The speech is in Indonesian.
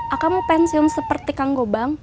akamu pensiun seperti kang gobang